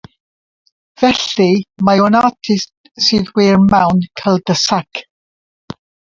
Felly mae o'n artist sydd wir mewn cul-de-sac.